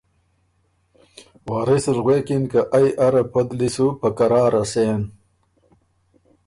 واث ال غوېکِن که ائ اره پدلی سو په قراره سېن